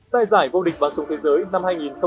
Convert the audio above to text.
tại giải vô địch và sùng thế giới